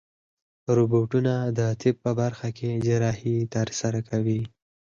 روبوټونه د طب په برخه کې جراحي ترسره کوي.